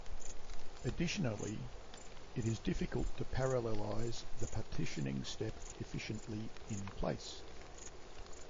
Additionally, it is difficult to parallelize the partitioning step efficiently in-place.